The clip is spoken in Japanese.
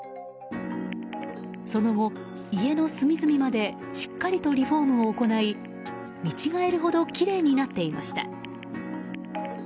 その後、家の隅々までしっかりとリフォームを行い見違えるほどきれいになっていました。